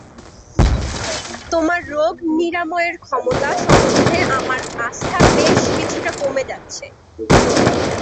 তোমার রোগ-নিরাময়ের ক্ষমতা সম্বন্ধে আমার আস্থা বেশ কিছুটা কমে যাচ্ছে।